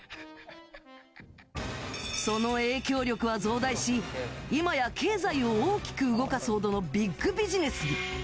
その影響力は増大し今や、経済を大きく動かすほどのビッグビジネスに。